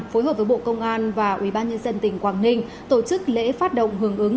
phối hợp với bộ công an và ubnd tỉnh quảng ninh tổ chức lễ phát động hưởng ứng